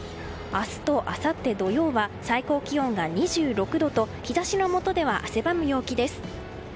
明日とあさって土曜日は最高気温が２６度と日差しのもとでは汗ばむ陽気です。